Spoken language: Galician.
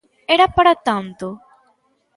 Era para tanto?